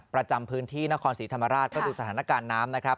ประจำพื้นที่นครศรีธรรมราชก็ดูสถานการณ์น้ำนะครับ